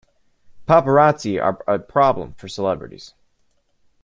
Paparazzi are a problem for celebrities.